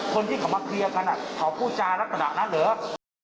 คนที่เขามาเคลียร์กันเขาพูดจารักษณะนั้นเหรอ